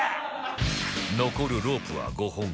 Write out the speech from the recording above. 残るロープは５本